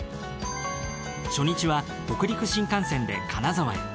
初日は北陸新幹線で金沢へ。